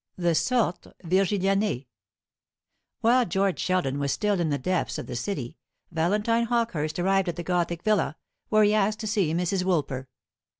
THE SORTES VIRGILIANÆ. While George Sheldon was still in the depths of the City Valentine Hawkehurst arrived at the gothic villa, where he asked to see Mrs. Woolper.